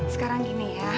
sekarang gini ya